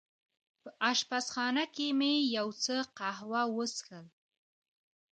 په اشپزخانه کې مې یو څه قهوه وڅېښل.